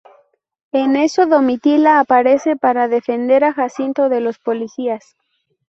En eso, Domitila aparece para defender a Jacinto de los policías.